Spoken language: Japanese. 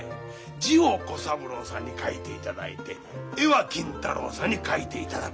字を小三郎さんに書いていただいて絵は金太郎さんに描いていただく。